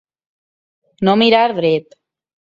No mirar dret.